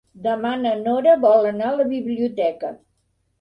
Demà na Nora vol anar a la biblioteca.